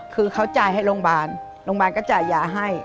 คือเขาจ่ายให้โรงพยาบาลโรงพยาบาลก็จ่ายยาให้